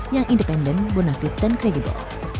yang independen bonafit dan kredibel